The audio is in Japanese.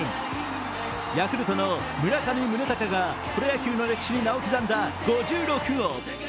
ヤクルトの村上宗隆がプロ野球の歴史に名を刻んだ５６号。